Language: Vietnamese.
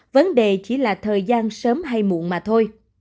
vấn đề chỉ là thời gian sớm hay muộn mà thôi